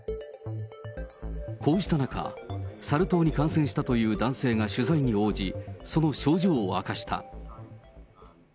こうした中、サル痘に感染したという男性が取材に応じ、その症状を明かした。